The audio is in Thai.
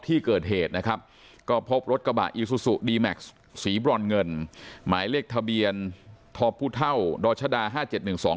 ดีแม็กซ์สีบรรเงินหมายเลขทะเบียนทอพูเท่าดรชดาห้าเจ็ดหนึ่งสอง